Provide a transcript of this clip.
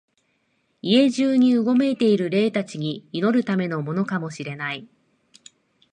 家中にうごめいている霊たちに祈るためのものかも知れない、